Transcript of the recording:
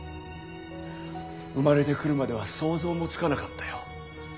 生まれてくるまでは想像もつかなかったよ。